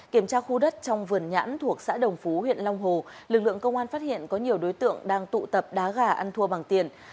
kiểm tra khu đất trong vườn nhãn thuộc xã đồng phú huyện long hồ lực lượng công an phát hiện có nhiều đối tượng đang tụ tập đá gà ăn thua bằng tiền